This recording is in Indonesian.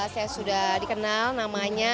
saya sudah dikenal namanya